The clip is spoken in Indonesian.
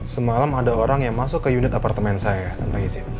semalam ada orang yang masuk ke unit apartemen saya